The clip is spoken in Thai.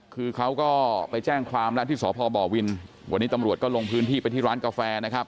คือเขาก็ไปแจ้งความแล้วที่สพบวินวันนี้ตำรวจก็ลงพื้นที่ไปที่ร้านกาแฟนะครับ